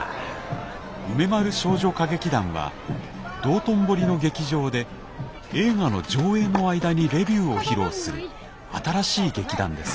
梅丸少女歌劇団は道頓堀の劇場で映画の上映の間にレビューを披露する新しい劇団です。